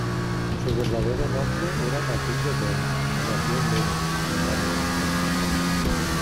Su verdadero nombre era Mathilde Benz, y nació en Munich, Alemania.